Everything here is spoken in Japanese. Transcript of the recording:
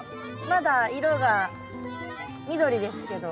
まだ色が緑ですけど。